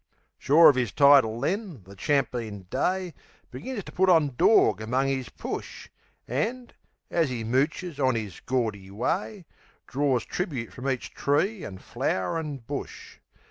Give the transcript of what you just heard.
Sure of 'is title then, the champeen Day Begins to put on dawg among 'is push, An', as he mooches on 'is gaudy way, Drors tribute from each tree an' flow'r an' bush.